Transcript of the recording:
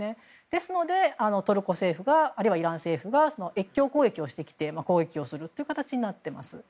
ですので、トルコ政府やあるいはイラン政府が越境攻撃をしてきて攻撃する形になっています。